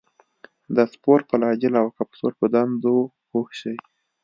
د سپور، فلاجیل او کپسول په دندو پوه شي.